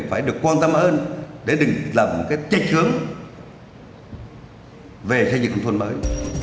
phải được quan tâm hơn để đừng làm cái trách hướng về xây dựng nông thôn mới